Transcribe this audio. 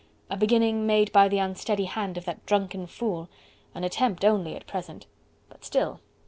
a beginning made by the unsteady hand of that drunken fool... an attempt only at present.... But still...